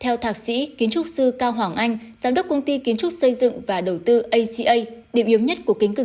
theo thạc sĩ kiến trúc sư cao hoàng anh giám đốc công ty kiến trúc xây dựng và đầu tư aca